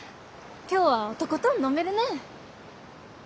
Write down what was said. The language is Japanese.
今日はとことん飲めるね！